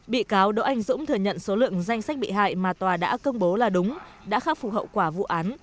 bị cáo đỗ anh dũng thừa nhận số lượng danh sách bị hại mà tòa đã công bố là đúng đã khắc phục hậu quả vụ án